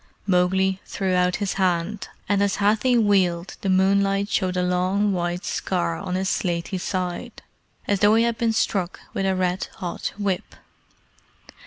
Mowgli threw out his hand, and as Hathi wheeled the moonlight showed a long white scar on his slaty side, as though he had been struck with a red hot whip.